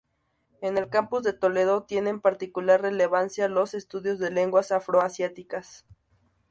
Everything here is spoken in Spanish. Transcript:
En el Campus de Toledo tienen particular relevancia los estudios de lenguas afroasiáticas.